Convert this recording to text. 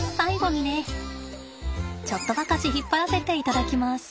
ちょっとばかし引っ張らせていただきます。